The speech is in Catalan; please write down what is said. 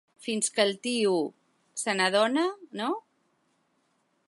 Fins que el tiu... se n'adona, no?